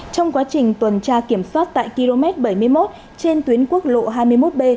trong quá trình tuần tra kiểm soát tại km bảy mươi một trên tuyến quốc lộ hai mươi một b